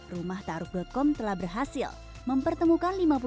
rumahtaaruf com telah berhasil mempertemukan lima orang